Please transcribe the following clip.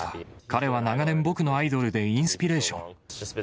彼は長年、僕のアイドルでインスピレーション。